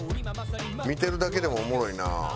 見てるだけでもおもろいな。